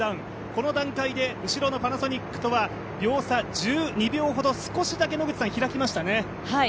この段階で、後ろのパナソニックとは秒差１２秒ほど少しだけ開きましたね。